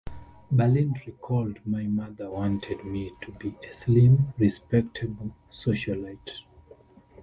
Berlin recalled, My mother wanted me to be a slim, respectable socialite.